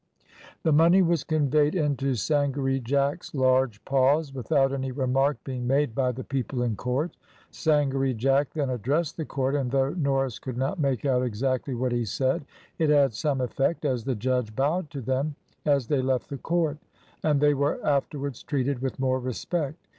The money was conveyed into Sangaree Jack's large paws, without any remark being made by the people in court. Sangaree Jack then addressed the court, and though Norris could not make out exactly what he said, it had some effect, as the judge bowed to them as they left the court, and they were afterwards treated with more respect.